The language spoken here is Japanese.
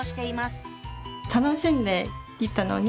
楽しんで行ったのに。